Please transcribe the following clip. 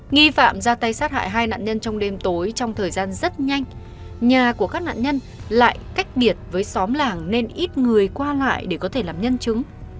nghi phạm ra tay sát hại hai nạn nhân trong đêm tối trong thời gian rất nhanh nhà của các nạn nhân lại cách biệt với xóm làng nên ít người qua lại để có thể làm nhân chứng